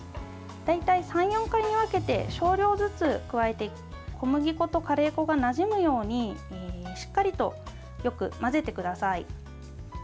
大体３４回に分けて少量ずつ加えて小麦粉とカレー粉がなじむようにしっかりとよく混ぜてください。